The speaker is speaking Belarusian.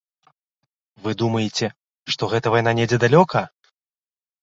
Вы думаеце, што гэтая вайна недзе далёка?